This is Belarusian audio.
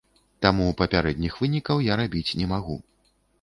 Таму папярэдніх вынікаў я рабіць не магу.